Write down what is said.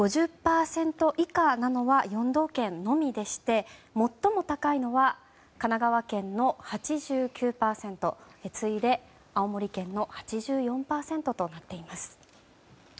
５０％以下なのは４道県のみでして最も高いのは神奈川県の８９％次いで青森県の８４％となっています。